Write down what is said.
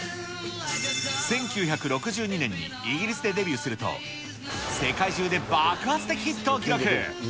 １９６２年にイギリスでデビューすると、世界中で爆発的ヒットを記録。